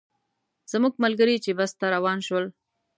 زموږ ملګري چې بس ته روان شول.